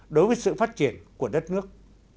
đối với sự phát triển của đất nước